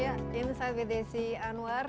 ya ini saya desi alwar